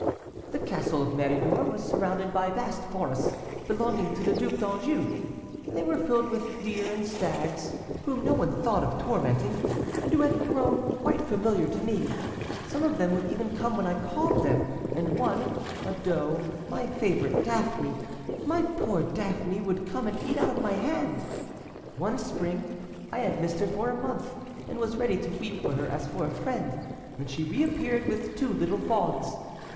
"The castle of Méridor was surrounded by vast forests, belonging to the Duc d'Anjou; they were filled with deer and stags, whom no one thought of tormenting, and who had grown quite familiar to me; some of them would even come when I called them, and one, a doe, my favorite Daphne, my poor Daphne, would come and eat out of my hand. "One spring I had missed her for a month, and was ready to weep for her as for a friend, when she reappeared with two little fawns.